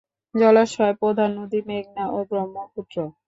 জলাশয় প্রধান নদী: মেঘনা ও ব্রহ্মপুত্র।